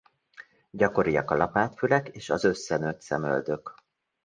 Gyakoriak a lapát fülek és az összenőtt szemöldök.